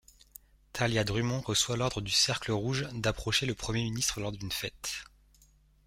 Thalia Drummond reçoit l'ordre du Cercle rouge d'approcher le premier ministre lors d'une fête.